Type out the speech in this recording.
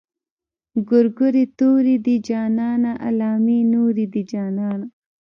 ګورګورې تورې دي جانانه علامې نورې دي جانانه.